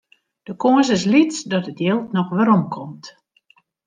De kâns is lyts dat it jild noch werom komt.